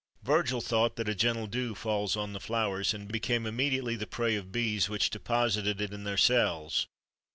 Virgil thought that a gentle dew falls on the flowers, and became immediately the prey of bees, which deposited it in their cells.